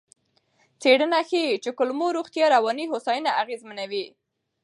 څېړنه ښيي چې کولمو روغتیا رواني هوساینه اغېزمنوي.